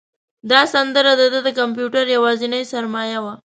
دا سندره د ده د کمپیوټر یوازینۍ سرمایه وه.